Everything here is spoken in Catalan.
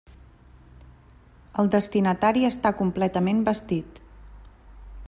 El destinatari està completament vestit.